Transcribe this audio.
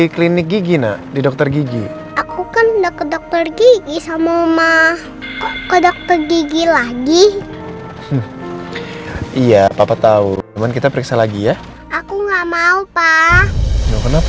periksa gigi tuh gapapa periksa gigi tuh gasalah